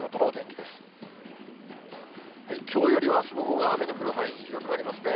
きょうよりあすのほうが雨の降る範囲、広くなりますね。